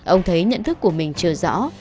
ông thấy nhận thức của mình chưa rõ